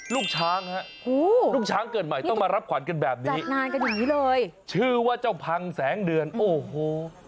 ลูกช้างฮะลูกช้างเกิดใหม่ต้องมารับขวัญกันแบบนี้ชื่อว่าเจ้าพังแสงเดือนโอ้โห